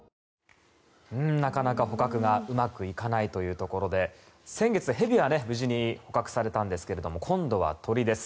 なかなか捕獲がうまくいかないというところで先月、ヘビは無事に捕獲されましたが今度は鳥です。